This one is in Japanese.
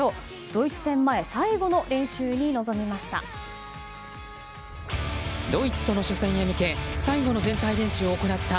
ドイツ戦前最後の練習に臨みました。